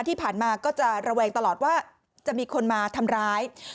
ที่ผ่านมาก็จะระแวงตลอดว่าจะมีคนมาทำร้าย